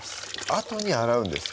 あとに洗うんですか？